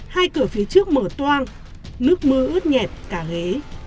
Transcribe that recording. hai cửa phía trước mở toang nước mưa ướt nhẹt cả ghế